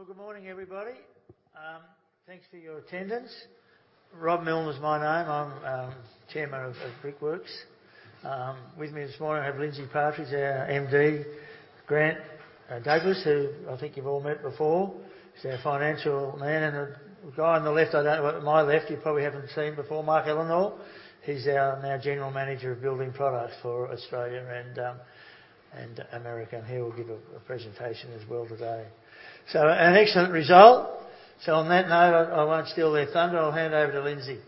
Well, good morning, everybody. Thanks for your attendance. Robert Millner is my name. I'm Chairman of Brickworks. With me this morning, I have Lindsay Partridge, our MD. Grant Douglas, who I think you've all met before. He's our financial man. The guy on the left, I don't know, my left, you probably haven't seen before, Mark Ellenor. He's our General Manager of Building Products for Australia and America, he will give a presentation as well today. An excellent result. On that note, I won't steal their thunder. I'll hand over to Lindsay.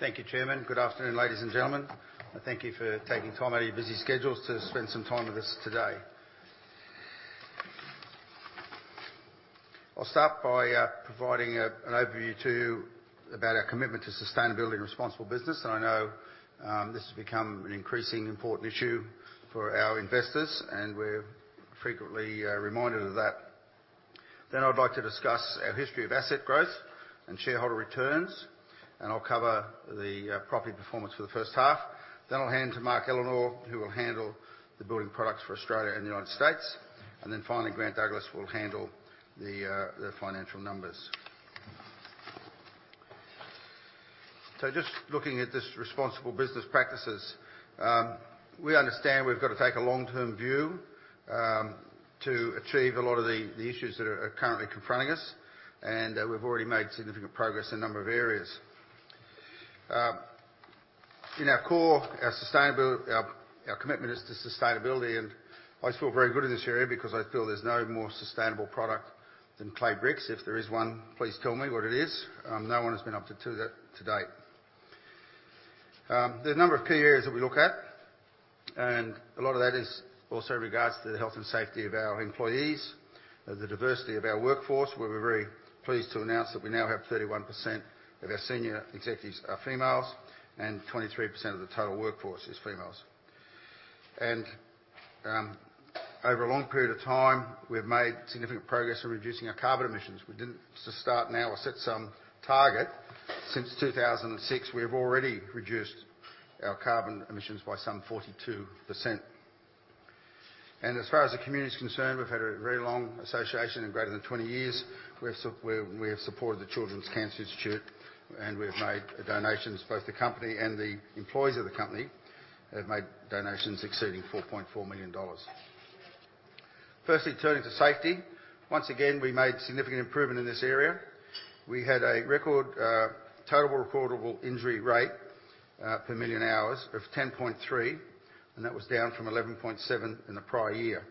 Thank you, Chairman. Good afternoon, ladies and gentlemen. Thank you for taking time out of your busy schedules to spend some time with us today. I'll start by providing an overview to you about our commitment to sustainability and responsible business. I know this has become an increasingly important issue for our investors, and we're frequently reminded of that. I'd like to discuss our history of asset growth and shareholder returns, and I'll cover the property performance for the first half. I'll hand to Mark Ellenor, who will handle the building products for Australia and the United States. Finally, Grant Douglas will handle the financial numbers. Just looking at this responsible business practices, we understand we've got to take a long-term view to achieve a lot of the issues that are currently confronting us, and we've already made significant progress in a number of areas. In our core, our commitment is to sustainability, and I feel very good in this area because I feel there's no more sustainable product than clay bricks. If there is one, please tell me what it is. No one has been able to do that to date. There are a number of key areas that we look at, and a lot of that is also in regards to the health and safety of our employees, the diversity of our workforce, where we're very pleased to announce that we now have 31% of our senior executives are females, and 23% of the total workforce is females. Over a long period of time, we've made significant progress in reducing our carbon emissions. We didn't just start now or set some target. Since 2006, we've already reduced our carbon emissions by some 42%. As far as the community is concerned, we've had a very long association and greater than 20 years. We have supported the Children's Cancer Institute, and we've made donations, both the company and the employees of the company have made donations exceeding 4.4 million dollars. Turning to safety. Once again, we made significant improvement in this area. We had a record total recordable injury rate per million hours of 10.3, and that was down from 11.7 in the prior year.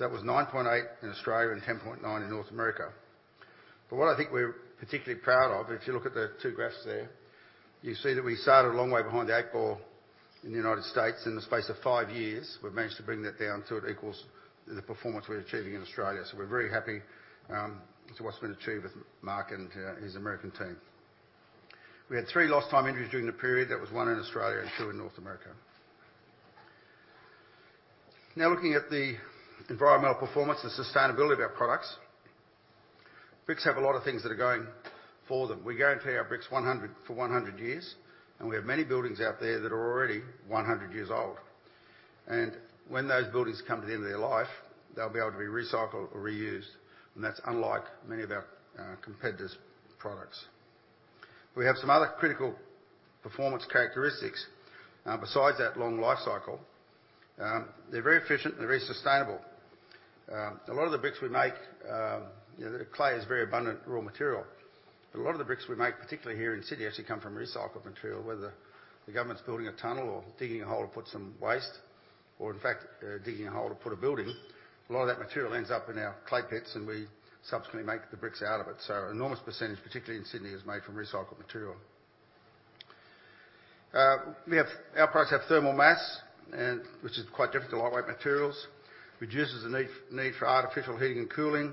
That was 9.8 in Australia and 10.9 in North America. What I think we're particularly proud of, if you look at the two graphs there, you see that we started a long way behind the eight ball in the United States. In the space of five years, we've managed to bring that down so it equals the performance we're achieving in Australia. We're very happy to what's been achieved with Mark and his American team. We had three lost time injuries during the period. That was one in Australia and two in North America. Looking at the environmental performance and sustainability of our products. Bricks have a lot of things that are going for them. We guarantee our bricks 100, for 100 years, and we have many buildings out there that are already 100 years old. When those buildings come to the end of their life, they'll be able to be recycled or reused, and that's unlike many of our competitors' products. We have some other critical performance characteristics besides that long life cycle. They're very efficient and very sustainable. A lot of the bricks we make, you know, the clay is very abundant raw material. A lot of the bricks we make, particularly here in Sydney, actually come from recycled material, whether the government is building a tunnel or digging a hole to put some waste or, in fact, digging a hole to put a building. A lot of that material ends up in our clay pits, and we subsequently make the bricks out of it. An enormous percentage, particularly in Sydney, is made from recycled material. Our products have thermal mass and which is quite different to lightweight materials. Reduces the need for artificial heating and cooling.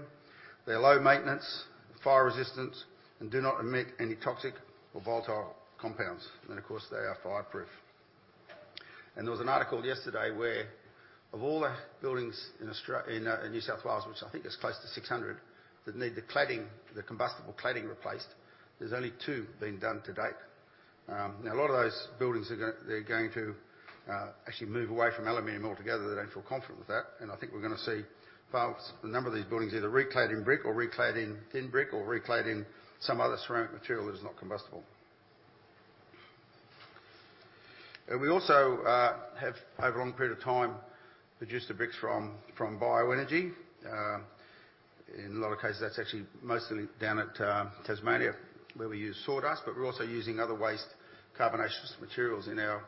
They're low maintenance, fire resistant, and do not emit any toxic or volatile compounds. Of course, they are fireproof. There was an article yesterday where of all the buildings in New South Wales, which I think is close to 600, that need the cladding, the combustible cladding replaced, there's only two been done to date. Now a lot of those buildings they're going to actually move away from aluminum altogether. They don't feel confident with that. I think we're gonna see perhaps a number of these buildings either reclad in brick or reclad in thin brick or reclad in some other ceramic material that is not combustible. We also have over a long period of time produced the bricks from bioenergy. In a lot of cases, that's actually mostly down at Tasmania, where we use sawdust, but we're also using other waste carbonaceous materials in our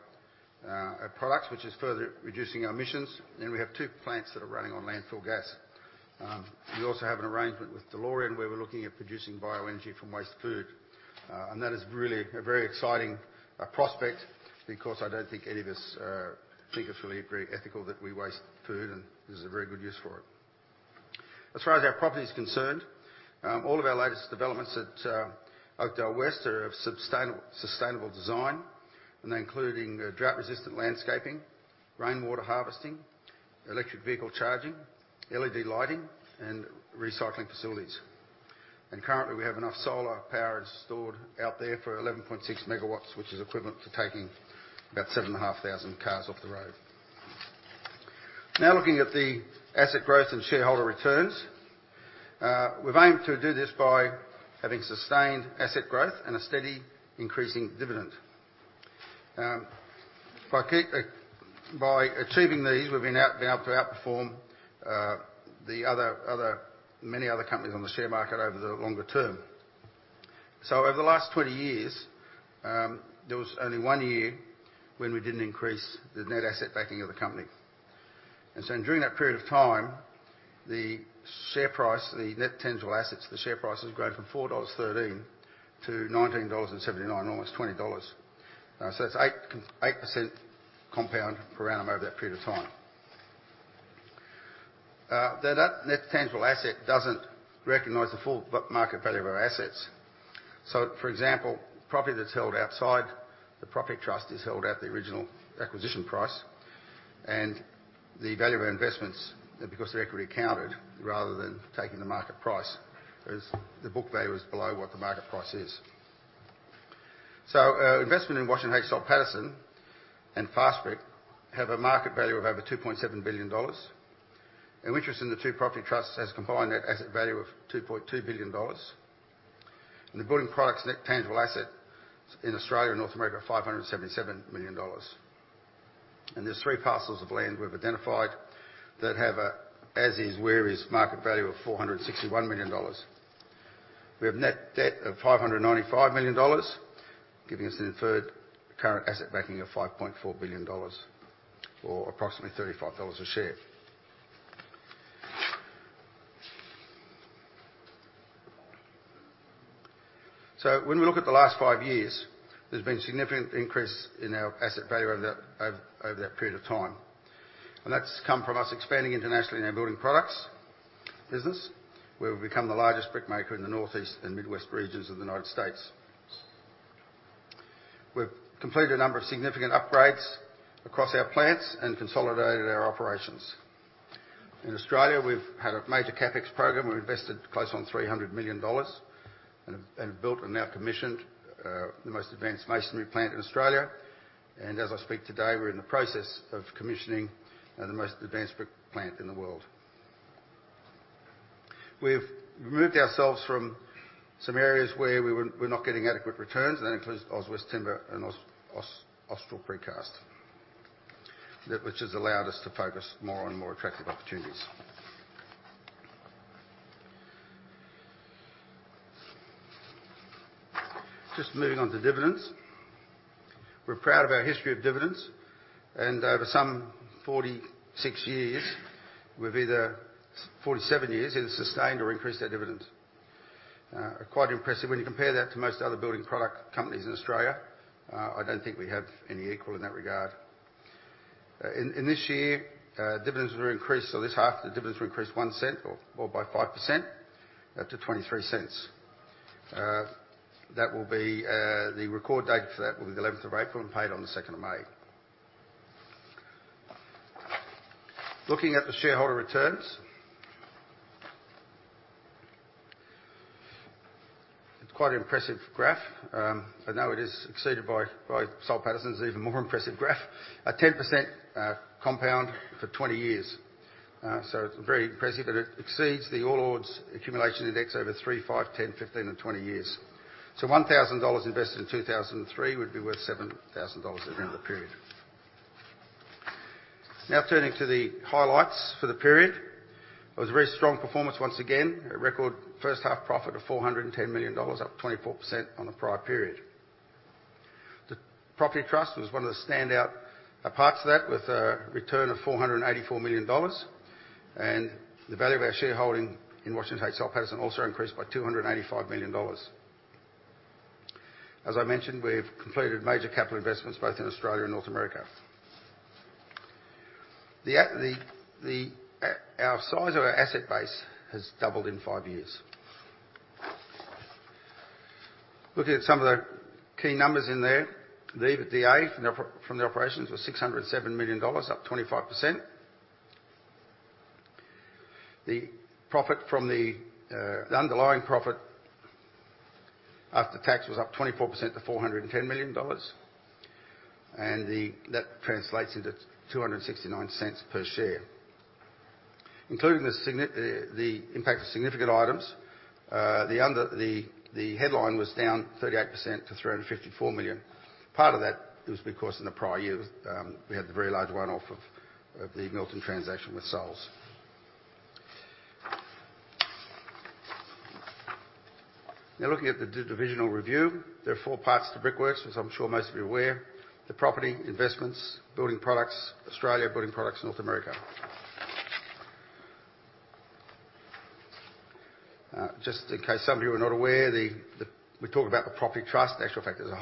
products, which is further reducing our emissions. We have two plants that are running on landfill gas. We also have an arrangement with Delorean, where we're looking at producing bioenergy from waste food. That is really a very exciting prospect because I don't think any of us think it's really very ethical that we waste food, and this is a very good use for it. As far as our property is concerned, all of our latest developments at Oakdale West are of sustainable design, including drought-resistant landscaping, rainwater harvesting, electric vehicle charging, LED lighting, and recycling facilities. Currently, we have enough solar power stored out there for 11.6 MW, which is equivalent to taking about 7,500 cars off the road. Looking at the asset growth and shareholder returns. We've aimed to do this by having sustained asset growth and a steady increasing dividend. By achieving these, we've been able to outperform the other many other companies on the share market over the longer term. Over the last 20 years, there was only one year when we didn't increase the net asset backing of the company. During that period of time, the share price, the net tangible assets, the share price has grown from $4.13 to $19.79, almost $20. That's 8% compound per annum over that period of time. Though that net tangible asset doesn't recognize the full market value of our assets. For example, property that's held outside the property trust is held at the original acquisition price. The value of our investments, because they're equity counted rather than taking the market price, is the book value is below what the market price is. Investment in Washington H. Soul Pattinson and Fastbrick have a market value of over 2.7 billion dollars. Our interest in the two property Trusts has a combined net asset value of 2.2 billion dollars. The building products net tangible asset in Australia and North America, 577 million dollars. There's three parcels of land we've identified that have a, as is where is, market value of $461 million. We have net debt of $595 million, giving us an inferred current asset backing of $5.4 billion or approximately $35 a share. When we look at the last five years, there's been significant increase in our asset value over that period of time. That's come from us expanding internationally in our building products business, where we've become the largest brick maker in the Northeast and Midwest regions of the United States. We've completed a number of significant upgrades across our plants and consolidated our operations. In Australia, we've had a major CapEx program. We've invested close on 300 million dollars and built and now commissioned the most advanced masonry plant in Australia. As I speak today, we're in the process of commissioning the most advanced brick plant in the world. We've removed ourselves from some areas where we're not getting adequate returns, and that includes Auswest Timber and Austral Precast. That, which has allowed us to focus more on more attractive opportunities. Just moving on to dividends. We're proud of our history of dividends, over some 47 years, either sustained or increased our dividends. Quite impressive when you compare that to most other building product companies in Australia. I don't think we have any equal in that regard. In this year, dividends were increased. This half, the dividends were increased 0.01 or by 5%, to 0.23. The record date for that will be the 11th of April and paid on the 2nd of May. Looking at the shareholder returns. It's quite an impressive graph. I know it is exceeded by Soul Pattinson's even more impressive graph. A 10% compound for 20 years. It's very impressive, but it exceeds the All Ordinaries Accumulation Index over 3, 5, 10, 15, and 20 years. 1,000 dollars invested in 2003 would be worth 7,000 dollars at the end of the period. Turning to the highlights for the period. It was a very strong performance once again. A record first half profit of 410 million dollars, up 24% on the prior period. The Property Trust was one of the standout parts of that with a return of 484 million dollars. The value of our shareholding in Washington H. Soul Pattinson also increased by 285 million dollars. As I mentioned, we've completed major capital investments both in Australia and North America. Our size of our asset base has doubled in five years. Looking at some of the key numbers in there. The EBITDA from the operations was 607 million dollars, up 25%. The profit from the underlying profit after tax was up 24% to 410 million dollars, that translates into 2.69 per share. Including the impact of significant items, the headline was down 38% to 354 million. Part of that was because in the prior year, we had the very large one-off of the Milton transaction with Souls. Looking at the divisional review. There are four parts to Brickworks, as I'm sure most of you are aware. The property, investments, Building Products Australia, Building Products North America. Just in case some of you are not aware, we talk about the property trust. In actual fact, there's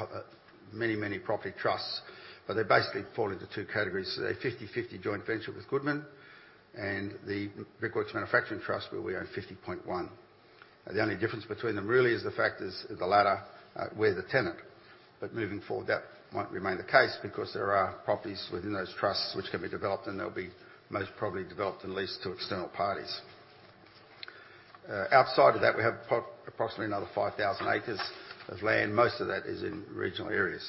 many property trusts, but they basically fall into two categories. A 50/50 joint venture with Goodman and the Brickworks Manufacturing Trust, where we own 50.1%. The only difference between them really is the fact is the latter, we're the tenant. Moving forward, that won't remain the case because there are properties within those trusts which can be developed, and they'll be most probably developed and leased to external parties. Outside of that, we have approximately another 5,000 acres of land. Most of that is in regional areas.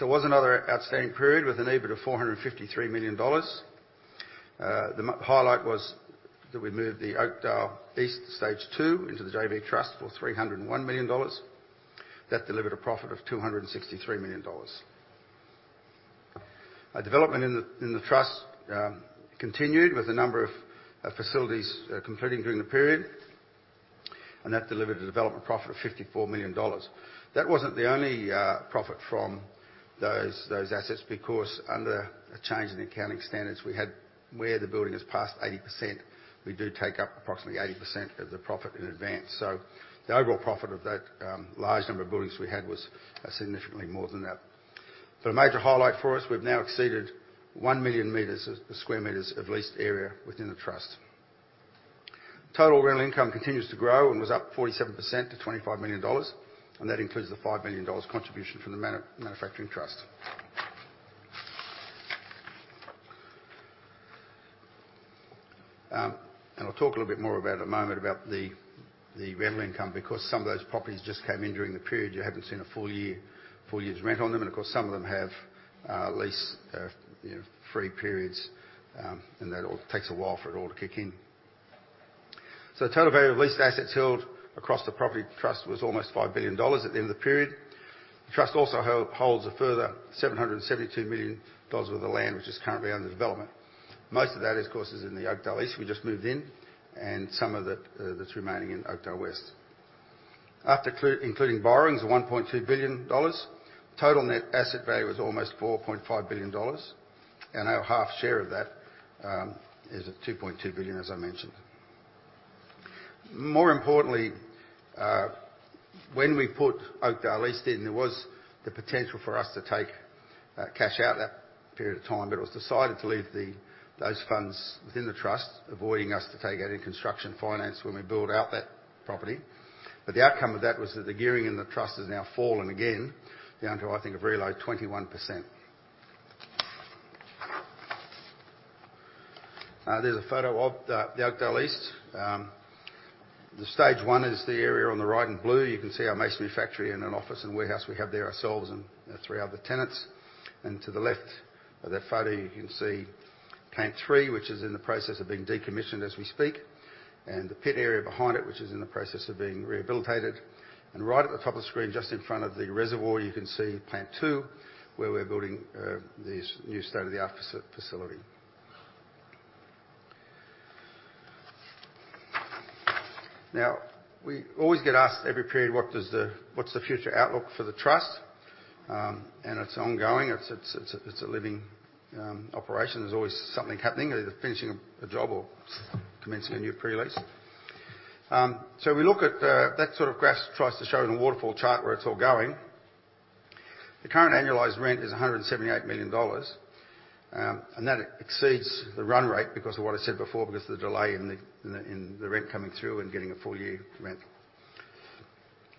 It was another outstanding period with an EBIT of 453 million dollars. The highlight was that we moved the Oakdale East Stage 2 into the JV Trust for 301 million dollars. That delivered a profit of 263 million dollars. Development in the Trust continued with a number of facilities completing during the period, and that delivered a development profit of 54 million dollars. That wasn't the only profit from those assets because under a change in accounting standards, we had... Where the building has passed 80%, we do take up approximately 80% of the profit in advance. The overall profit of that large number of buildings we had was significantly more than that. A major highlight for us, we've now exceeded 1 million square meters of leased area within the Trust. Total rental income continues to grow and was up 47% to 25 million dollars, and that includes the 5 million dollars contribution from the Brickworks Manufacturing Trust. I'll talk a little bit more about it in a moment about the rental income, because some of those properties just came in during the period. You haven't seen a full year's rent on them. Of course, some of them have, you know, free periods, and that all takes a while for it all to kick in. The total value of leased assets held across the property Trust was almost 5 billion dollars at the end of the period. The Trust also holds a further 772 million dollars worth of land, which is currently under development. Most of that, of course, is in the Oakdale East we just moved in, and some of it that's remaining in Oakdale West. After including borrowings of 1.2 billion dollars, total net asset value is almost 4.5 billion dollars. Our half share of that is at 2.2 billion, as I mentioned. More importantly, when we put Oakdale East in, there was the potential for us to take cash out that period of time. It was decided to leave those funds within the Trust, avoiding us to take any construction finance when we build out that property. The outcome of that was that the gearing in the Trust has now fallen again down to, I think, a very low 21%. There's a photo of the Oakdale East. The stage one is the area on the right in blue. You can see our Masonry factory and an office and warehouse we have there ourselves and three other tenants. To the left of that photo, you can see Plant Three, which is in the process of being decommissioned as we speak, and the pit area behind it, which is in the process of being rehabilitated. Right at the top of the screen, just in front of the reservoir, you can see Plant Two, where we're building this new state-of-the-art facility. Now, we always get asked every period, what's the future outlook for the Trust? It's ongoing. It's a living operation. There's always something happening, either finishing a job or commencing a new pre-lease. We look at that sort of graph tries to show in the waterfall chart where it's all going. The current annualized rent is 178 million dollars, that exceeds the run rate because of what I said before, because of the delay in the rent coming through and getting a full year rent.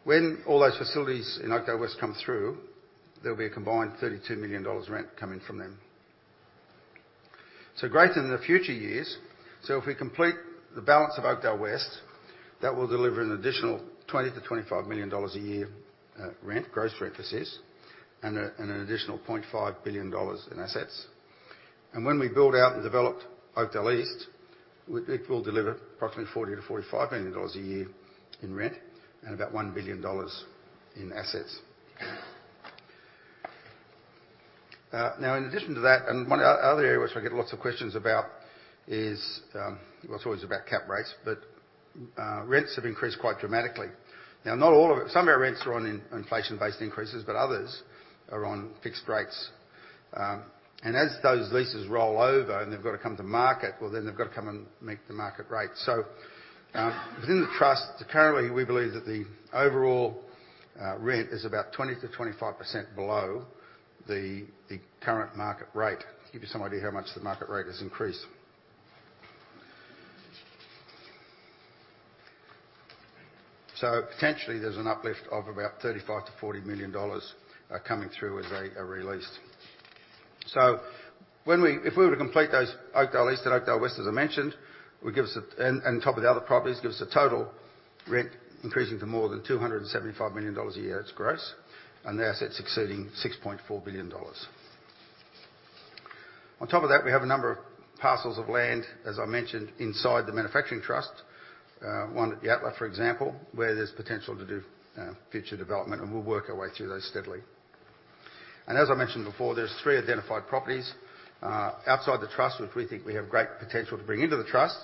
When all those facilities in Oakdale West come through, there'll be a combined 32 million dollars rent coming from them. Greater than the future years. If we complete the balance of Oakdale West, that will deliver an additional 20 million-25 million dollars a year rent, gross rent that is, and an additional 0.5 billion dollars in assets. When we build out and develop Oakdale East, it will deliver approximately 40 million-45 million dollars a year in rent and about 1 billion dollars in assets. In addition to that, one other area which I get lots of questions about is, well it's always about cap rates. Rents have increased quite dramatically. Not all of it. Some of our rents are on inflation-based increases, but others are on fixed rates. As those leases roll over and they've got to come to market, well then they've got to come and make the market rate. Within the Trust, currently, we believe that the overall rent is about 20%-25% below the current market rate, give you some idea how much the market rate has increased. Potentially, there's an uplift of about 35 million-40 million dollars coming through as they are re-leased. When we If we were to complete those Oakdale East and Oakdale West, as I mentioned, on top of the other properties, give us a total rent increasing to more than 275 million dollars a year as gross, and the assets exceeding 6.4 billion dollars. On top of that, we have a number of parcels of land, as I mentioned, inside the Manufacturing Trust. One at the outlet, for example, where there's potential to do future development, and we'll work our way through those steadily. As I mentioned before, there's three identified properties outside the Trust, which we think we have great potential to bring into the Trust.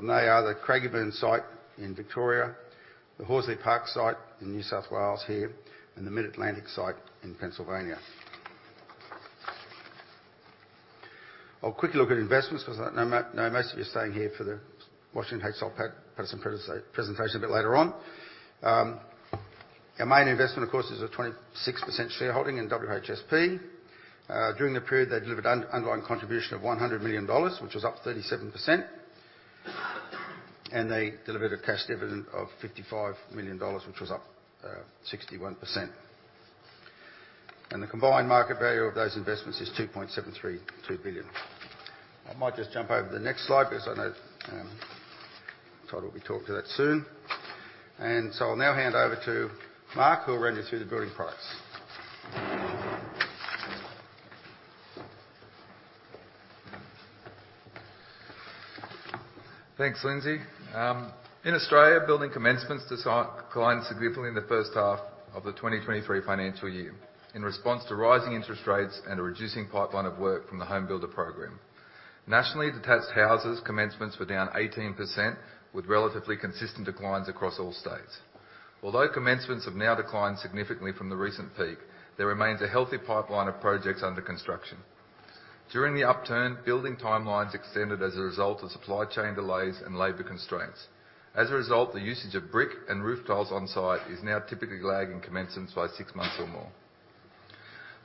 They are the Craigieburn site in Victoria, the Horsley Park site in New South Wales here, and the Mid-Atlantic site in Pennsylvania. A quick look at investments, because I know most of you are staying here for the Washington H. Soul Pattinson pre-presentation a bit later on. Our main investment, of course, is a 26% shareholding in WHSP. During the period, they delivered underlying contribution of 100 million dollars, which was up 37%. They delivered a cash dividend of 55 million dollars, which was up, 61%. The combined market value of those investments is 2.732 billion. I might just jump over to the next slide because I know, Todd will be talking to that soon. I'll now hand over to Mark, who will run you through the building products. Thanks, Lindsay. In Australia, building commencements declined significantly in the first half of the 2023 financial year in response to rising interest rates and a reducing pipeline of work from the HomeBuilder program. Nationally, detached houses commencements were down 18%, with relatively consistent declines across all states. Commencements have now declined significantly from the recent peak, there remains a healthy pipeline of projects under construction. During the upturn, building timelines extended as a result of supply chain delays and labor constraints. The usage of brick and roof tiles on site is now typically lagging commencements by 6 months or more.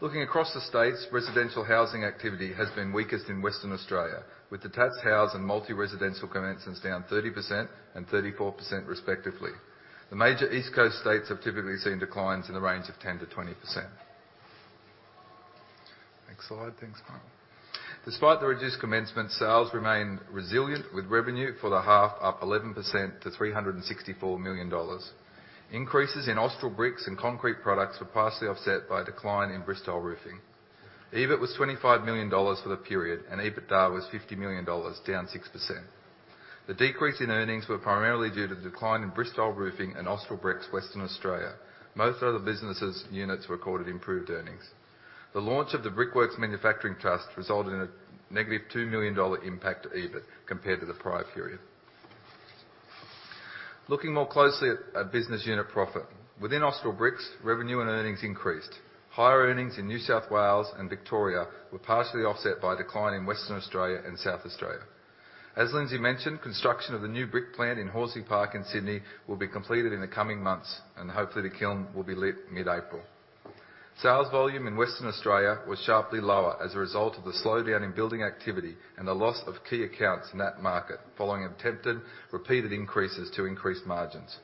Looking across the states, residential housing activity has been weakest in Western Australia, with detached house and multi-residential commencements down 30% and 34% respectively. The major East Coast states have typically seen declines in the range of 10%-20%. Next slide, thanks, Mark. Despite the reduced commencement, sales remained resilient with revenue for the half up 11% to 364 million dollars. Increases in Austral Bricks and Concrete Products were partially offset by a decline in Bristile Roofing. EBIT was 25 million dollars for the period, and EBITDA was 50 million dollars, down 6%. The decrease in earnings were primarily due to the decline in Bristile Roofing and Austral Bricks Western Australia. Most of the businesses' units recorded improved earnings. The launch of the Brickworks Manufacturing Trust resulted in a negative AUD 2 million impact to EBIT compared to the prior period. Looking more closely at business unit profit. Within Austral Bricks, revenue and earnings increased. Higher earnings in New South Wales and Victoria were partially offset by a decline in Western Australia and South Australia. As Lindsay mentioned, construction of the new brick plant in Horsley Park in Sydney will be completed in the coming months, and hopefully the kiln will be lit mid-April. Sales volume in Western Australia was sharply lower as a result of the slowdown in building activity and the loss of key accounts in that market following attempted repeated increases to increase margins.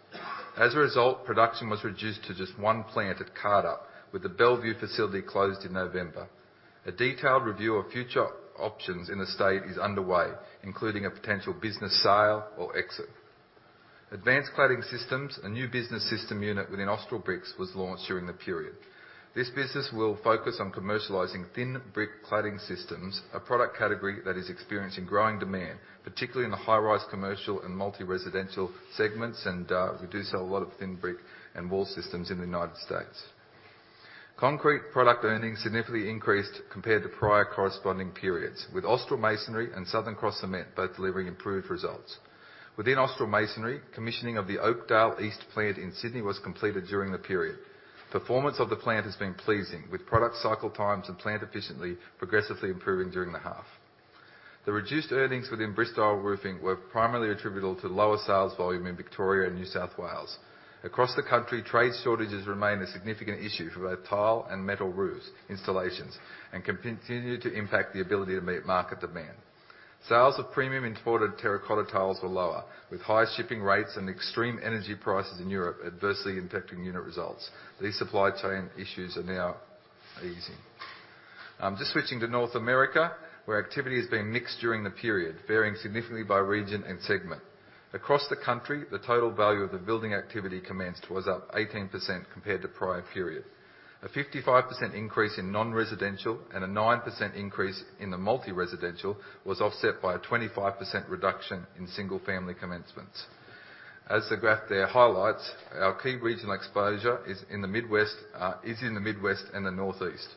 Production was reduced to just one plant at Cardup, with the Bellevue facility closed in November. A detailed review of future options in the state is underway, including a potential business sale or exit. Advanced Cladding Systems, a new business system unit within Austral Bricks, was launched during the period. This business will focus on commercializing thin brick cladding systems, a product category that is experiencing growing demand, particularly in the high-rise commercial and multi-residential segments. We do sell a lot of thin brick and wall systems in the United States. Concrete product earnings significantly increased compared to prior corresponding periods, with Austral Masonry and Southern Cross Cement both delivering improved results. Within Austral Masonry, commissioning of the Oakdale East plant in Sydney was completed during the period. Performance of the plant has been pleasing, with product cycle times and plant efficiently progressively improving during the half. The reduced earnings within Bristile Roofing were primarily attributable to lower sales volume in Victoria and New South Wales. Across the country, trade shortages remain a significant issue for both tile and metal roofs installations and continue to impact the ability to meet market demand. Sales of premium imported terracotta tiles were lower, with high shipping rates and extreme energy prices in Europe adversely impacting unit results. These supply chain issues are now easing. Just switching to North America, where activity has been mixed during the period, varying significantly by region and segment. Across the country, the total value of the building activity commenced was up 18% compared to prior period. A 55% increase in non-residential and a 9% increase in the multi-residential was offset by a 25% reduction in single-family commencements. As the graph there highlights, our key regional exposure is in the Midwest and the Northeast.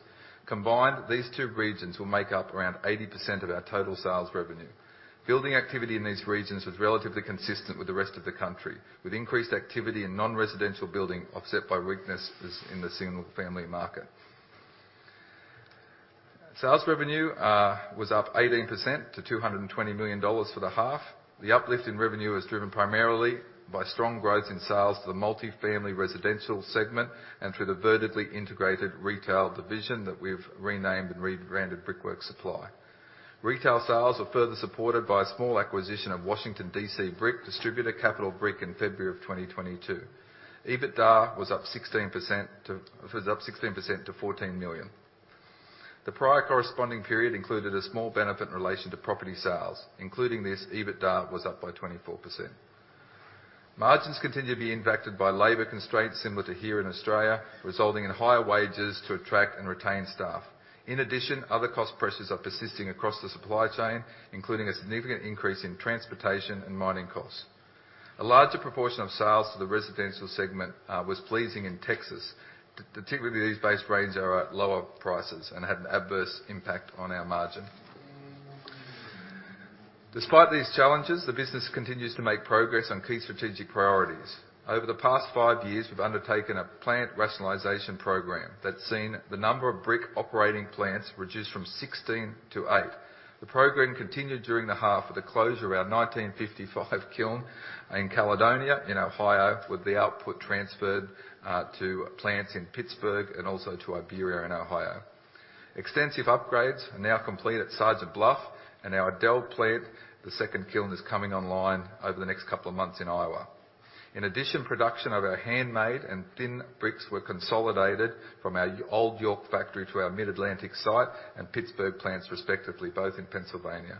Combined, these two regions will make up around 80% of our total sales revenue. Building activity in these regions was relatively consistent with the rest of the country, with increased activity in non-residential building offset by weakness in the single-family market. Sales revenue was up 18% to 220 million dollars for the half. The uplift in revenue was driven primarily by strong growth in sales to the multifamily residential segment and through the vertically integrated retail division that we've renamed and rebranded Brickworks Supply. Retail sales were further supported by a small acquisition of Washington, D.C. brick distributor Capital Brick in February of 2022. EBITDA was up 16% to 14 million. The prior corresponding period included a small benefit in relation to property sales, including this, EBITDA was up by 24%. Margins continue to be impacted by labor constraints similar to here in Australia, resulting in higher wages to attract and retain staff. Other cost pressures are persisting across the supply chain, including a significant increase in transportation and mining costs. A larger proportion of sales to the residential segment was pleasing in Texas. Particularly these base range are at lower prices and had an adverse impact on our margin. Despite these challenges, the business continues to make progress on key strategic priorities. Over the past 5 years, we've undertaken a plant rationalization program that's seen the number of brick operating plants reduced from 16 to 8. The program continued during the half with the closure of our 1955 kiln in Caledonia in Ohio, with the output transferred to plants in Pittsburgh and also to Iberia in Ohio. Extensive upgrades are now complete at Sergeant Bluff and our Adel plant. The second kiln is coming online over the next couple of months in Iowa. In addition, production of our handmade and thin bricks were consolidated from our Old York factory to our Mid-Atlantic site and Pittsburgh plants respectively, both in Pennsylvania.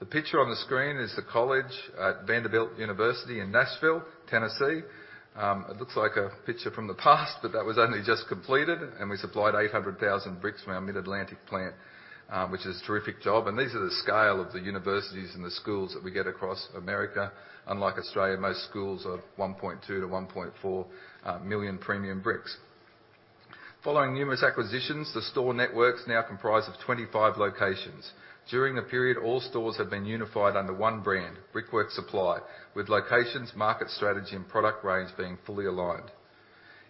The picture on the screen is the college at Vanderbilt University in Nashville, Tennessee. It looks like a picture from the past but that was only just completed, and we supplied 800,000 bricks from our Mid-Atlantic plant, which is a terrific job. These are the scale of the universities and the schools that we get across America. Unlike Australia, most schools are 1.2 million-1.4 million premium bricks. Following numerous acquisitions, the store networks now comprise of 25 locations. During the period, all stores have been unified under one brand, Brickworks Supply, with locations, market strategy, and product range being fully aligned.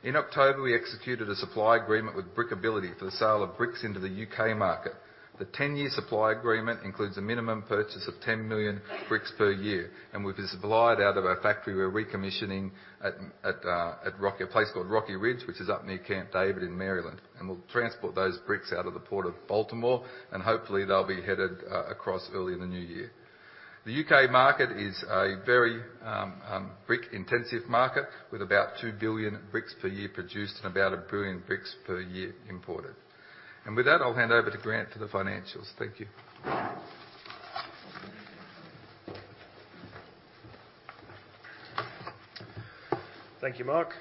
In October, we executed a supply agreement with Brickability for the sale of bricks into the U.K. market. The 10-year supply agreement includes a minimum purchase of 10 million bricks per year. We've supplied out of our factory. We're recommissioning at place called Rocky Ridge, which is up near Camp David in Maryland. We'll transport those bricks out of the Port of Baltimore, and hopefully, they'll be headed across early in the new year. The U.K. market is a very brick-intensive market with about 2 billion bricks per year produced and about 1 billion bricks per year imported. With that, I'll hand over to Grant for the financials. Thank you. Thank you, Mark.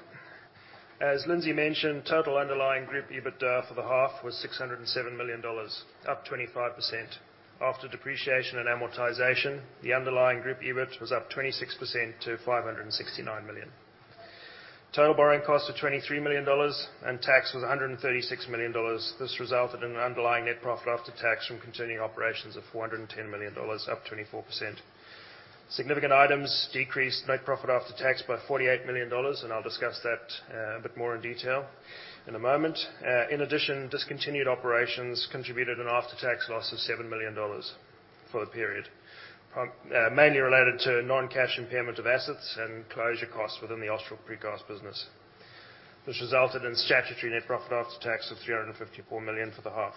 As Lindsay mentioned, total underlying group EBITDA for the half was 607 million dollars, up 25%. After depreciation and amortization, the underlying group EBIT was up 26% to 569 million. Total borrowing costs were 23 million dollars, and tax was 136 million dollars. This resulted in underlying net profit after tax from continuing operations of 410 million dollars, up 24%. Significant items decreased net profit after tax by 48 million dollars, and I'll discuss that a bit more in detail in a moment. In addition, discontinued operations contributed an after-tax loss of 7 million dollars for the period. mainly related to non-cash impairment of assets and closure costs within the Austral Precast business, which resulted in statutory net profit after tax of 354 million for the half.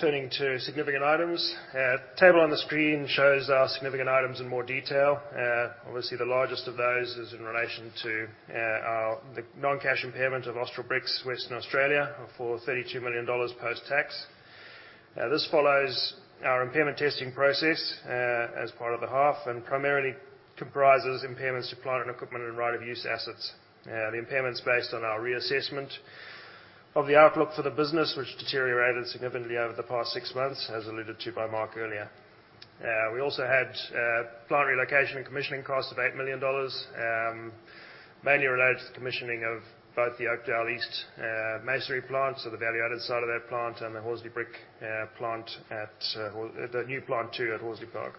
Turning to significant items. Table on the screen shows our significant items in more detail. Obviously the largest of those is in relation to the non-cash impairment of Austral Bricks Western Australia for AUD 32 million post-tax. This follows our impairment testing process as part of the half, and primarily comprises impairments to plant and equipment and right-of-use assets. The impairment's based on our reassessment of the outlook for the business, which deteriorated significantly over the past six months, as alluded to by Mark earlier. We also had plant relocation and commissioning costs of $8 million, mainly related to the commissioning of both the Oakdale East masonry plant, so the value-added side of that plant, and the Horsley brick plant at the new plant, too, at Horsley Park.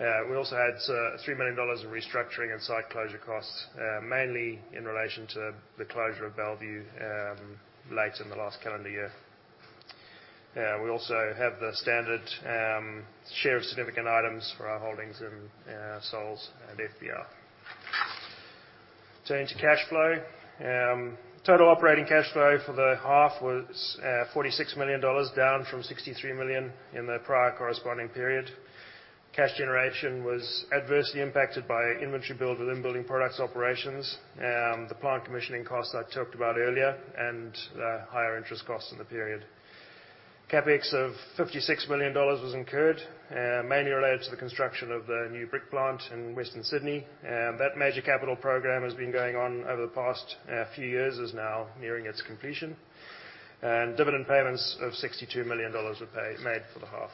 We also had $3 million in restructuring and site closure costs, mainly in relation to the closure of Bellevue, late in the last calendar year. We also have the standard share of significant items for our holdings in Souls and FBR. Turning to cash flow. Total operating cash flow for the half was $46 million, down from $63 million in the prior corresponding period. Cash generation was adversely impacted by inventory build within building products operations, the plant commissioning costs I talked about earlier, and higher interest costs in the period. CapEx of 56 million dollars was incurred, mainly related to the construction of the new brick plant in Western Sydney. That major capital program has been going on over the past few years, is now nearing its completion. Dividend payments of 62 million dollars were made for the half.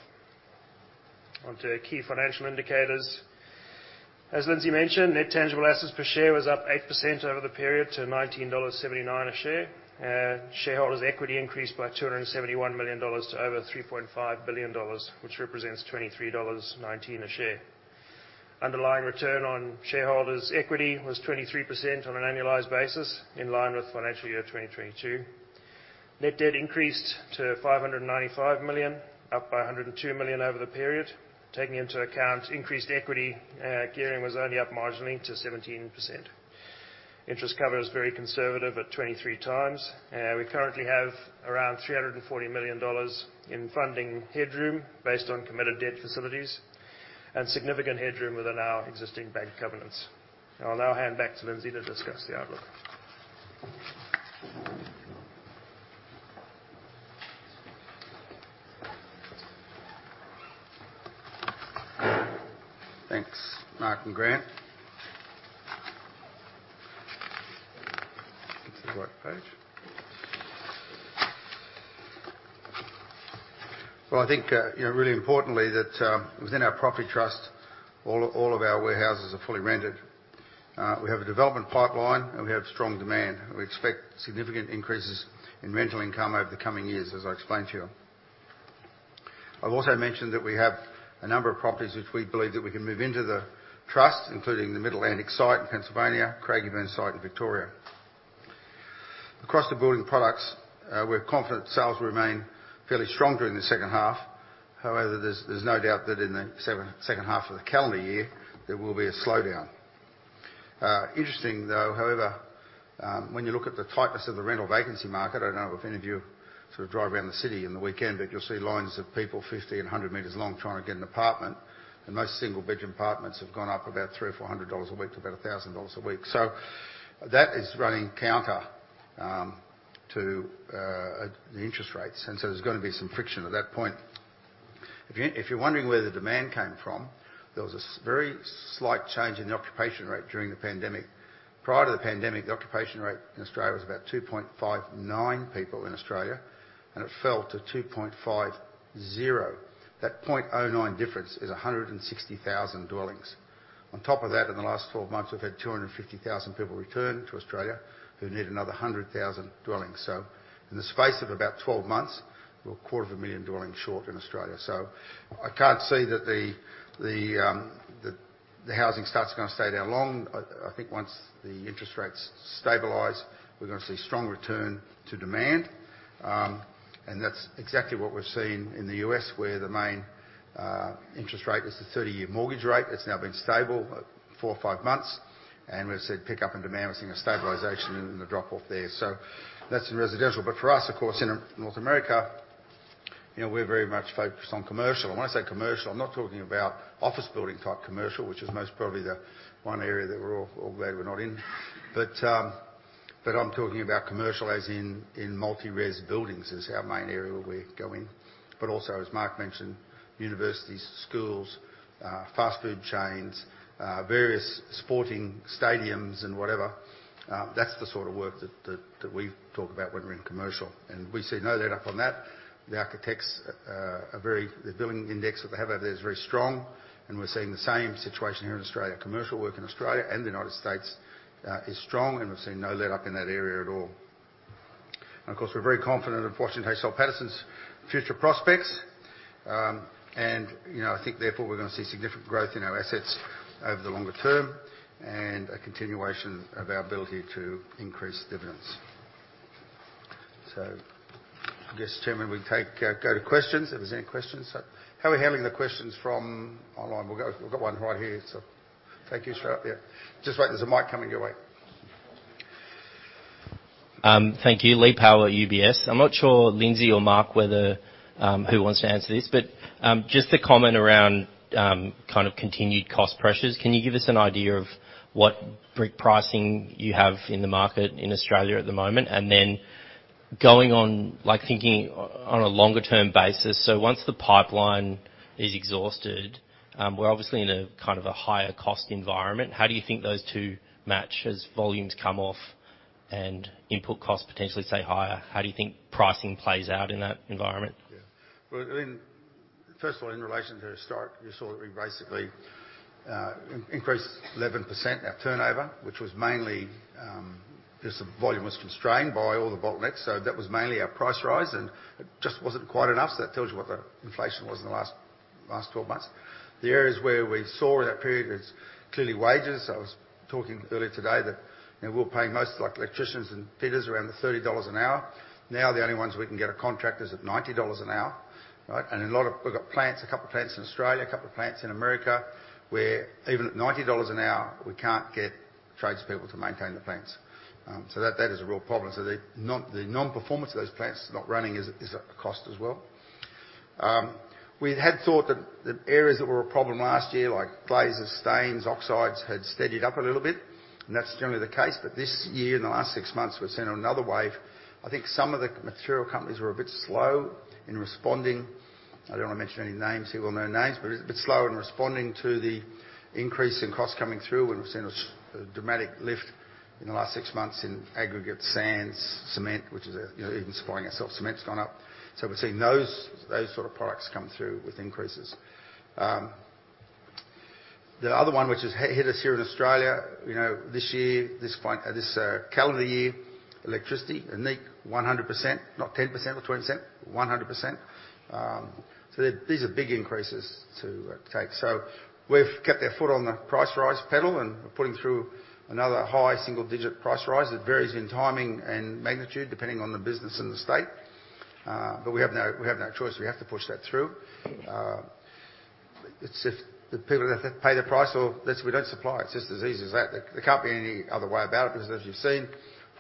Onto key financial indicators. As Lindsay mentioned, net tangible assets per share was up 8% over the period to 19.79 dollars a share. Shareholders' equity increased by 271 million dollars to over 3.5 billion dollars, which represents 23.19 dollars a share. Underlying return on shareholders' equity was 23% on an annualized basis, in line with financial year 2022. Net debt increased to 595 million, up by 102 million over the period. Taking into account increased equity, gearing was only up marginally to 17%. Interest cover is very conservative at 23x. We currently have around 340 million dollars in funding headroom, based on committed debt facilities, and significant headroom within our existing bank covenants. I'll now hand back to Lindsay to discuss the outlook. Thanks, Mark and Grant. It's the right page. Well, I think, you know, really importantly that, within our property Trust, all of our warehouses are fully rented. We have a development pipeline, we have strong demand. We expect significant increases in rental income over the coming years, as I explained to you. I've also mentioned that we have a number of properties which we believe that we can move into the Trust, including the Mid-Atlantic site in Pennsylvania, Craigieburn site in Victoria. Across the building products, we're confident sales will remain fairly strong during the second half. There's no doubt that in the second half of the calendar year, there will be a slowdown. Interesting though, however, when you look at the tightness of the rental vacancy market, I don't know if any of you sort of drive around the city on the weekend, but you'll see lines of people 50 and 100 meters long trying to get an apartment. Those single-bedroom apartments have gone up about 300 or 400 dollars a week to about 1,000 dollars a week. That is running counter to the interest rates. There's gonna be some friction at that point. If you're wondering where the demand came from, there was a very slight change in the occupation rate during the pandemic. Prior to the pandemic, the occupation rate in Australia was about 2.59 people in Australia, it fell to 2.50. That 0.09 difference is 160,000 dwellings. On top of that, in the last 12 months, we've had 250,000 people return to Australia who need another 100,000 dwellings. In the space of about 12 months, we're 250,000 dwellings short in Australia. I can't see that the housing start's gonna stay down long. I think once the interest rates stabilize, we're gonna see strong return to demand. That's exactly what we're seeing in the U.S., where the main interest rate is the 30-year mortgage rate. It's now been stable four or five months, we've seen a pickup in demand. We're seeing a stabilization in the drop off there. That's in residential. For us, of course, in North America, you know, we're very much focused on commercial. When I say commercial, I'm not talking about office building type commercial, which is most probably the one area that we're all glad we're not in. I'm talking about commercial as in multi-res buildings is our main area where we're going. Also, as Mark mentioned, universities, schools, fast food chains, various sporting stadiums and whatever, that's the sort of work that we talk about when we're in commercial. We see no letup on that. The Architecture Billings Index that they have out there is very strong, and we're seeing the same situation here in Australia. Commercial work in Australia and the United States is strong, and we've seen no letup in that area at all. Of course, we're very confident of Washington H. Soul Pattinson's future prospects. You know, I think therefore we're gonna see significant growth in our assets over the longer term and a continuation of our ability to increase dividends. I guess, Chairman, we go to questions, if there's any questions. How are we handling the questions from online? We've got one right here, thank you. Straight up, yeah. Just wait, there's a mic coming your way. Thank you. Lee Powell at UBS. I'm not sure, Lindsay or Mark, whether who wants to answer this, just the comment around kind of continued cost pressures. Can you give us an idea of what brick pricing you have in the market in Australia at the moment? Going on, like, thinking on a longer term basis, so once the pipeline is exhausted, we're obviously in a kind of a higher cost environment. How do you think those two match as volumes come off and input costs potentially stay higher? How do you think pricing plays out in that environment? Well, first of all, in relation to historic, you saw that we basically increased 11% our turnover, which was mainly just the volume was constrained by all the bottlenecks, that was mainly our price rise, and it just wasn't quite enough. That tells you what the inflation was in the last 12 months. The areas where we saw in that period is clearly wages. I was talking earlier today that, you know, we were paying most, like electricians and fitters around 30 dollars an hour. Now, the only ones we can get are contractors at 90 dollars an hour, right? We've got plants, a couple of plants in Australia, a couple of plants in America, where even at 90 dollars an hour, we can't get tradespeople to maintain the plants. That, that is a real problem. The non-performance of those plants not running is a cost as well. We had thought that the areas that were a problem last year, like glazes, stains, oxides, had steadied up a little bit, and that's generally the case. This year, in the last six months, we've seen another wave. I think some of the material companies were a bit slow in responding. I don't wanna mention any names here. We'll know names. It's a bit slow in responding to the increase in costs coming through. We've seen a dramatic lift in the last six months in aggregate sands, cement, which is, you know, even supplying ourselves. Cement's gone up. We've seen those sort of products come through with increases. The other one which has hit us here in Australia, you know, this calendar year, electricity and NIC 100%, not 10% or 20%, 100%. These are big increases to take. We've kept our foot on the price rise pedal, and we're putting through another high single-digit price rise. It varies in timing and magnitude depending on the business and the state. We have no choice. We have to push that through. The people are gonna have to pay the price or we don't supply. It's just as easy as that. There can't be any other way about it because as you've seen,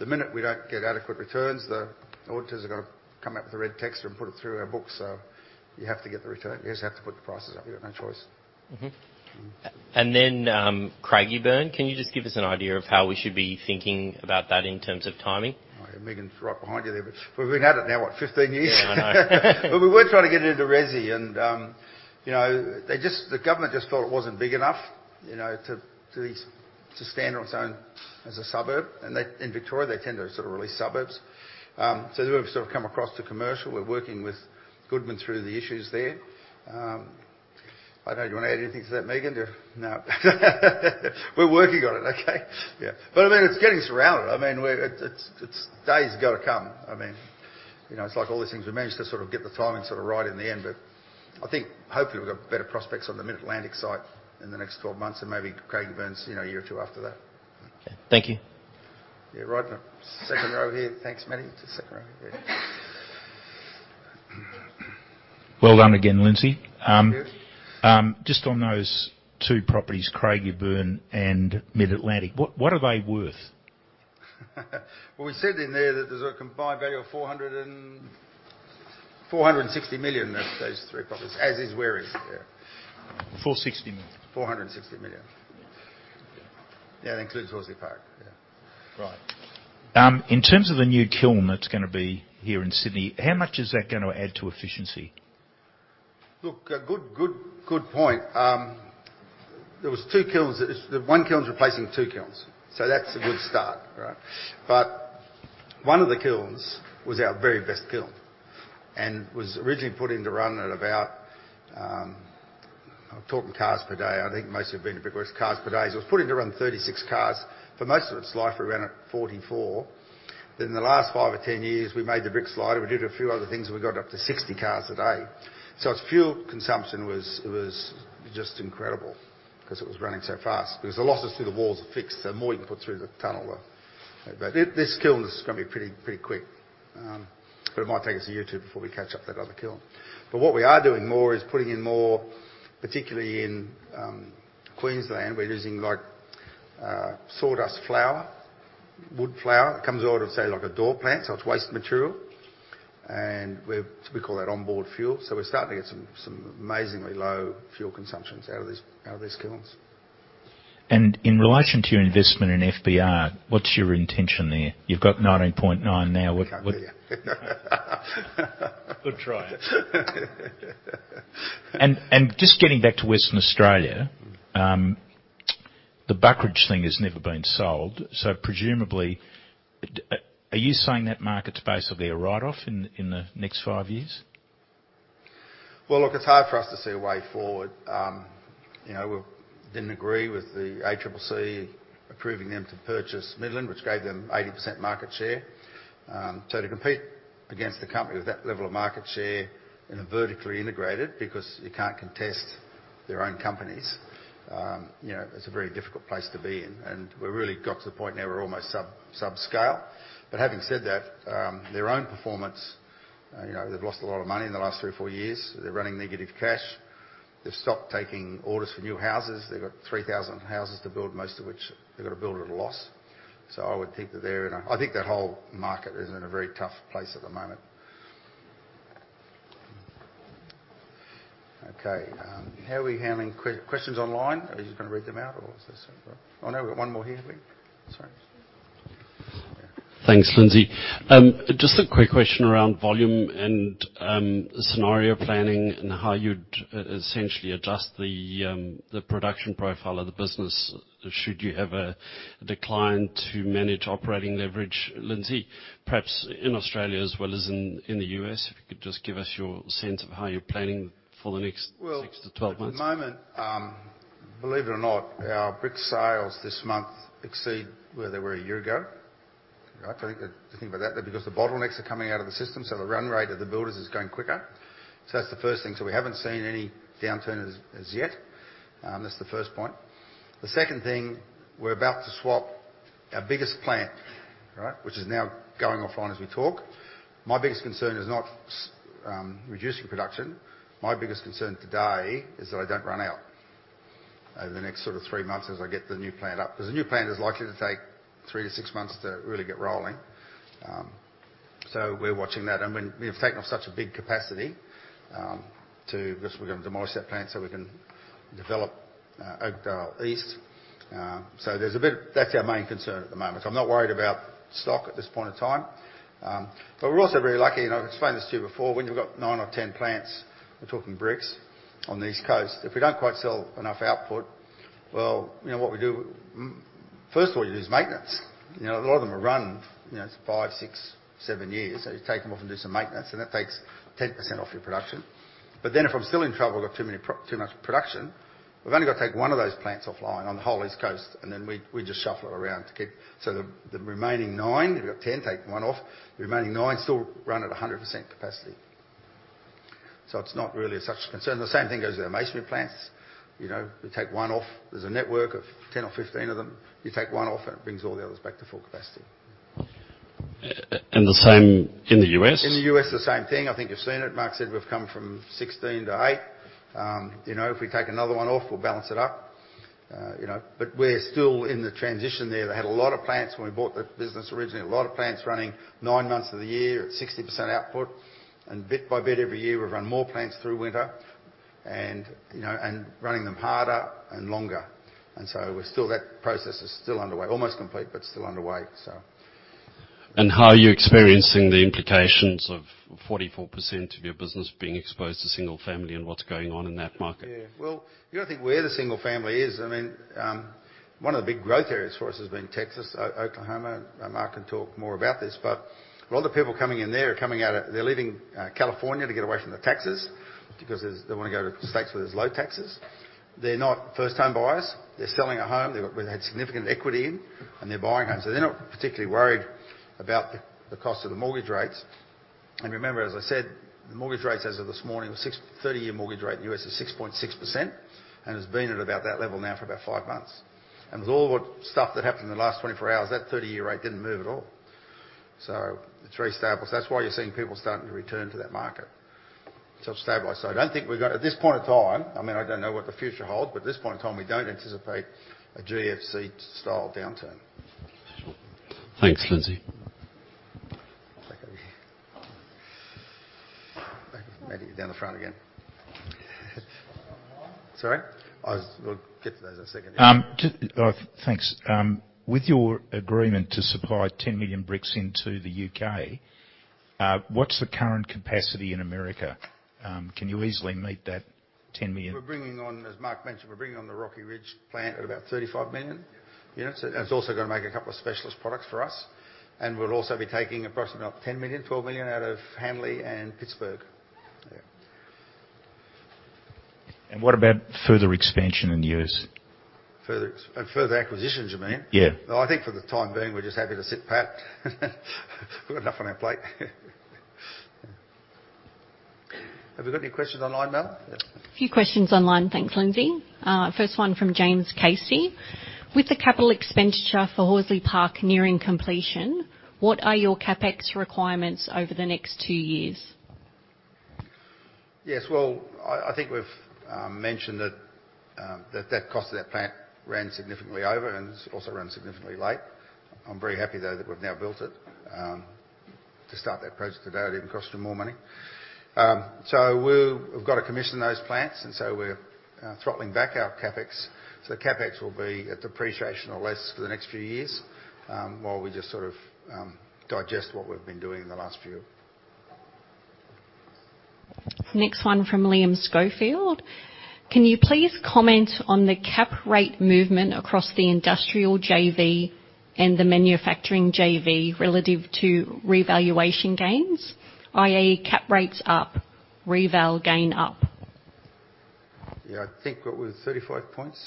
the minute we don't get adequate returns, the auditors are gonna come out with a red texta and put it through our books. You have to get the return. You just have to put the prices up. You got no choice. Mm-hmm. Mm. Then Craigieburn, can you just give us an idea of how we should be thinking about that in terms of timing? Megan's right behind you there, but we've been at it now, what, 15 years? Yeah, I know. We were trying to get into resi and, you know, the government just thought it wasn't big enough, you know, to stand on its own as a suburb. In Victoria, they tend to sort of release suburbs. We've sort of come across to commercial. We're working with Goodman through the issues there. I don't know. Do you wanna add anything to that, Megan? No. We're working on it. Okay? Yeah. I mean, it's getting surrounded. I mean, it's days ago to come. I mean, you know, it's like all these things. We managed to sort of get the timing sort of right in the end, but I think hopefully, we've got better prospects on the Mid-Atlantic site in the next 12 months and maybe Craigieburn's, you know, a year or two after that. Okay. Thank you. Yeah, right in the second row here. Thanks, Manny. It's the second row here. Well done again, Lindsay. Thank you. Just on those two properties, Craigieburn and Mid-Atlantic, what are they worth? Well, we said in there that there's a combined value of 400. Six. 460 million, that's those three properties as is where is. Yeah. 460 million. 460 million. Yeah. Yeah, that includes Horsley Park. Yeah. Right. In terms of the new kiln that's gonna be here in Sydney, how much is that gonna add to efficiency? Look, a good point. There was two kilns. The one kiln's replacing two kilns, that's a good start, right? One of the kilns was our very best kiln and was originally put in to run at about, I'm talking cars per day, I think most have been cars per day. It was put in to run 36 cars. For most of its life, it ran at 44. In the last 5 or 10 years, we made the bricks lighter, we did a few other things, and we got it up to 60 cars a day. Its fuel consumption was just incredible 'cause it was running so fast. Because the losses through the walls are fixed, the more you can put through the tunnel, this kiln is gonna be pretty quick. It might take us a year or two before we catch up that other kiln. What we are doing more is putting in more, particularly in Queensland, we're using, like, sawdust flour, wood flour. It comes out of, say, like a door plant, so it's waste material. We call that onboard fuel, so we're starting to get some amazingly low fuel consumptions out of these kilns. In relation to your investment in FBR, what's your intention there? You've got 19.9 now. Good try. just getting back to Western Australia- Mm-hmm. The Buckeridge thing has never been sold, so presumably, are you saying that market's basically a write-off in the next five years? Look, it's hard for us to see a way forward. You know, we didn't agree with the ACCC approving them to purchase Midland, which gave them 80% market share. To compete against a company with that level of market share in a vertically integrated because you can't contest their own companies, you know, it's a very difficult place to be in. We're really got to the point now we're almost subscale. Having said that, their own performance, you know, they've lost a lot of money in the last three or four years. They're running negative cash. They've stopped taking orders for new houses. They've got 3,000 houses to build, most of which they've got to build at a loss. I would think that they're in a. I think that whole market is in a very tough place at the moment. Okay. How are we handling questions online? Are you just gonna read them out? No, we've got one more here, I think. Sorry. Thanks, Lindsay. Just a quick question around volume and scenario planning and how you'd essentially adjust the production profile of the business should you have a decline to manage operating leverage, Lindsay? Perhaps in Australia as well as in the U.S., if you could just give us your sense of how you're planning for the next- Well- Six to 12 months At the moment, believe it or not, our brick sales this month exceed where they were a year ago. Right? Because the bottlenecks are coming out of the system, the run rate of the builders is going quicker. That's the first thing. We haven't seen any downturn as yet. That's the first point. The second thing, we're about to swap our biggest plant, right? Which is now going offline as we talk. My biggest concern is not reducing production. My biggest concern today is that I don't run out over the next sort of three months as I get the new plant up. Because the new plant is likely to take three to six months to really get rolling. We're watching that. When we've taken off such a big capacity, 'Cause we're gonna demolish that plant so we can develop Oakdale East. That's our main concern at the moment. I'm not worried about stock at this point in time. We're also very lucky, and I've explained this to you before, when you've got 9 or 10 plants, we're talking bricks on the East Coast, if we don't quite sell enough output, well, you know what we do? First of all, you do is maintenance. You know, a lot of them are run, you know, it's five, six, seven years. You take them off and do some maintenance, and that takes 10% off your production. If I'm still in trouble, I've got too much production, we've only got to take one of those plants offline on the whole East Coast, and then we just shuffle it around to keep. The remaining nine, if you've got 10, take one off, the remaining nine still run at 100% capacity. It's not really a such a concern. The same thing goes with our masonry plants. You know, we take one off. There's a network of 10 or 15 of them. You take one off, and it brings all the others back to full capacity. The same in the U.S.? In the U.S., the same thing. I think you've seen it. Mark Ellenor said we've come from 16 to 8. You know, if we take another one off, we'll balance it up. We're still in the transition there. They had a lot of plants when we bought the business originally. A lot of plants running 9 months of the year at 60% output. Bit by bit every year, we've run more plants through winter and, you know, and running them harder and longer. That process is still underway. Almost complete, but still underway. How are you experiencing the implications of 44% of your business being exposed to single family and what's going on in that market? Well, you gotta think where the single family is. I mean, one of the big growth areas for us has been Texas, Oklahoma. Mark can talk more about this. A lot of the people coming in there are leaving California to get away from the taxes because they wanna go to states where there's low taxes. They're not first-time buyers. They're selling a home they've got, where they had significant equity in, and they're buying homes. They're not particularly worried about the cost of the mortgage rates. Remember, as I said, the 30-year mortgage rate in the U.S. is 6.6%, and has been at about that level now for about 5 months. With all the stuff that happened in the last 24 hours, that 30-year rate didn't move at all. It's very stable. That's why you're seeing people starting to return to that market. It's helped stabilize. I don't think, at this point in time, I mean, I don't know what the future holds, but at this point in time, we don't anticipate a GFC style downturn. Thanks, Lindsay. Back over here. Matthew, down the front again. One online. Sorry. We'll get to those in a second. Thanks. With your agreement to supply 10 million bricks into the U.K., what's the current capacity in America? Can you easily meet that 10 million? We're bringing on, as Mark mentioned, we're bringing on the Rocky Ridge plant at about 35 million units. It's also going to make a couple of specialist products for us. We'll also be taking approximately about 10 million, 12 million out of Hanley and Pittsburgh. Yeah. What about further expansion in the U.S.? Further acquisitions, you mean? Yeah. No, I think for the time being, we're just happy to sit pat. We've got enough on our plate. Have we got any questions online, Mel? Yeah. Few questions online. Thanks, Lindsay. First one from James Casey: With the capital expenditure for Horsley Park nearing completion, what are your CapEx requirements over the next two years? Yes. I think we've mentioned that cost of that plant ran significantly over and it's also run significantly late. I'm very happy though that we've now built it. To start that project today, it would even cost you more money. We've got to commission those plants, we're throttling back our CapEx. CapEx will be at depreciation or less for the next few years, while we just sort of digest what we've been doing in the last few. Next one from Liam Schofield: Can you please comment on the cap rate movement across the industrial JV and the manufacturing JV relative to revaluation gains, i.e. cap rates up, reval gain up? I think what we're at 35 points,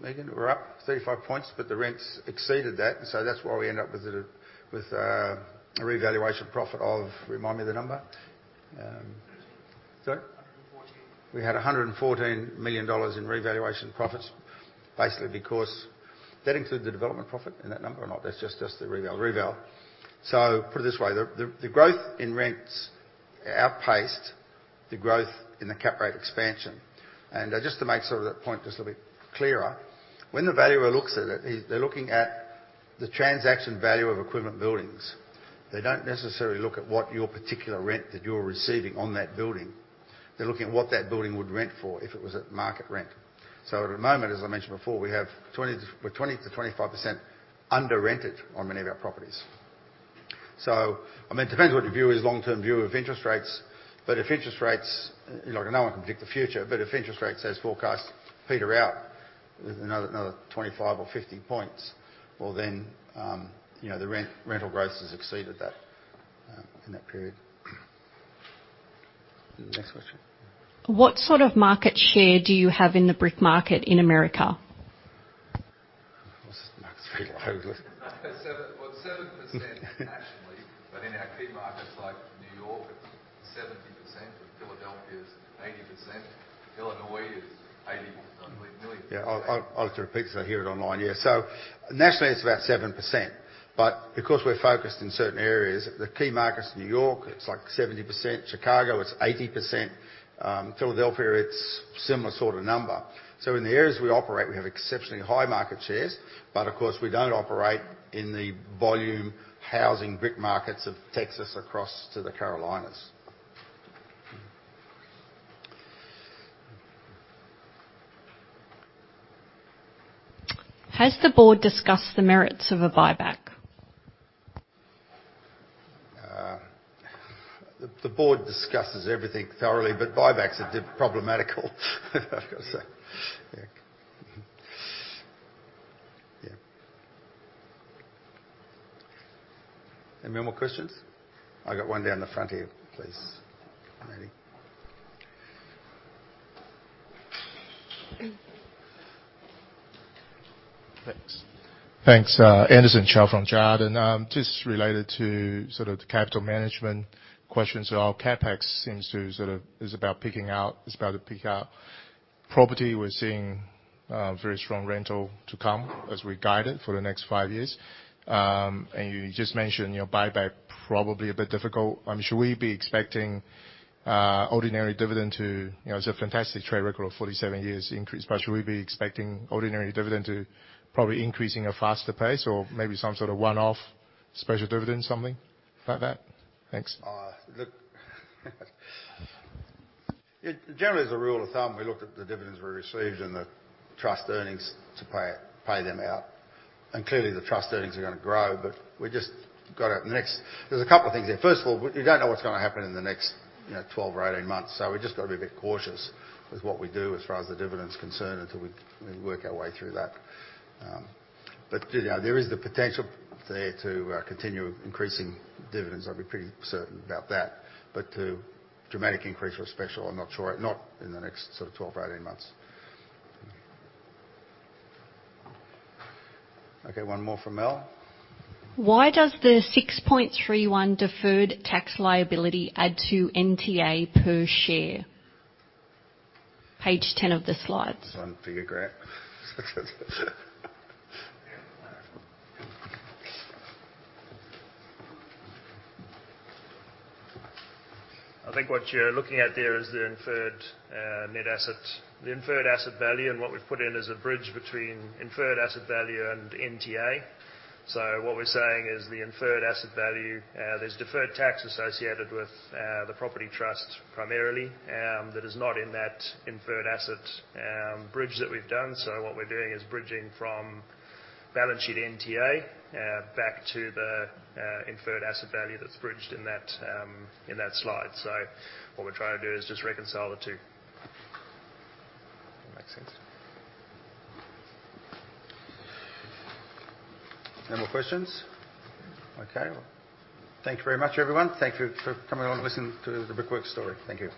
Megan? We're up 35 points. The rents exceeded that. That's why we end up with a revaluation profit of. Remind me the number. 114. Sorry. 114. We had 114 million dollars in revaluation profits, basically because. That include the development profit in that number or not? That's just the reval. Put it this way, the growth in rents outpaced the growth in the cap rate expansion. Just to make sort of that point just a bit clearer, when the valuer looks at it, they're looking at the transaction value of equivalent buildings. They don't necessarily look at what your particular rent that you're receiving on that building. They're looking at what that building would rent for if it was at market rent. At the moment, as I mentioned before, we have 20%-25% under-rented on many of our properties. I mean, it depends what your view is, long-term view of interest rates. If interest rates, like no one can predict the future, but if interest rates, as forecast, peter out with another 25 or 50 points, well, then, you know, the rental growth has exceeded that, in that period. Next question. What sort of market share do you have in the brick market in America? What's the market share? Well, 7% nationally, but in our key markets like New York, it's 70%. In Philadelphia, it's 80%. Illinois is $80, I believe, million. I'll have to repeat so they hear it online. Nationally, it's about 7%. Because we're focused in certain areas, the key markets, New York, it's like 70%. Chicago, it's 80%. Philadelphia, it's similar sort of number. In the areas we operate, we have exceptionally high market shares, but of course, we don't operate in the volume housing brick markets of Texas across to the Carolinas. Has the board discussed the merits of a buyback? The board discusses everything thoroughly, but buybacks are problematical. I've gotta say. Yeah. Any more questions? I got one down the front here, please. Ready. Thanks. Thanks. Anderson Chow from Jarden. Just related to sort of the capital management questions. Our CapEx is about to peak out. Property, we're seeing very strong rental to come as we guide it for the next five years. You just mentioned, you know, buyback probably a bit difficult. Should we be expecting ordinary dividend to, you know? It's a fantastic trade record of 47 years increase. Should we be expecting ordinary dividend to probably increase in a faster pace or maybe some sort of one-off special dividend, something like that? Thanks. Look, generally, as a rule of thumb, we look at the dividends we received and the trust earnings to pay them out. Clearly, the trust earnings are gonna grow, we just got to next. There's a couple of things here. First of all, you don't know what's gonna happen in the next, you know, 12 or 18 months, we just got to be a bit cautious with what we do as far as the dividend's concerned until we work our way through that. You know, there is the potential there to continue increasing dividends. I'd be pretty certain about that. To dramatic increase or special, I'm not sure. Not in the next sort of 12 or 18 months. Okay, one more from Mel. Why does the 6.31 deferred tax liability add to NTA per share? Page 10 of the slides. This one for you, Grant. I think what you're looking at there is the inferred net asset. The inferred asset value, and what we've put in as a bridge between inferred asset value and NTA. What we're saying is the inferred asset value, there's deferred tax associated with the Property Trust primarily, that is not in that inferred asset bridge that we've done. What we're doing is bridging from balance sheet NTA back to the inferred asset value that's bridged in that in that slide. What we're trying to do is just reconcile the two. That makes sense. No more questions? Okay. Well, thank you very much, everyone. Thank you for coming along to listen to the Brickworks story. Thank you.